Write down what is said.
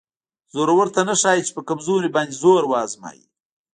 زورور ته نه ښایي چې په کمزوري باندې زور وازمایي.